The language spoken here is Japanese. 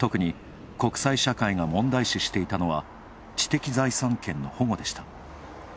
特に国際社会が問題視していたのは知的財産権の保護でした。